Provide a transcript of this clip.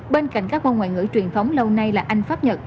bên cạnh các môn ngoại ngữ truyền thống lâu nay là anh pháp nhật